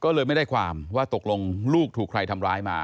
ก็เลยไม่ได้ความว่าตกลงลูกถูกใครทำร้ายมา